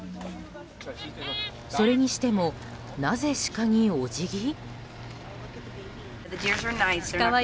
それにしてもなぜ、シカにお辞儀。